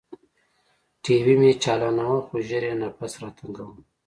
ټي وي مې چالاناوه خو ژر يې نفس راتنګاوه.